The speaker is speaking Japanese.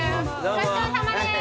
ごちそうさまです。